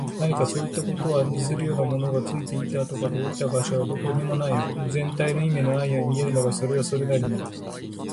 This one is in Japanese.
何かそういったことを暗示するような、ものがついていた跡とか、折れた個所とかはどこにもない。全体は意味のないように見えるのだが、それはそれなりにまとまっている。